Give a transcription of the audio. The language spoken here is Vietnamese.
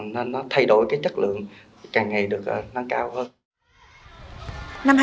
nên nó thay đổi cái chất lượng càng ngày được nâng cao hơn